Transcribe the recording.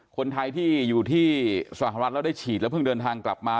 คนไทยที่อยู่ที่สหรัฐแล้วได้ฉีดแล้วเพิ่งเดินทางกลับมา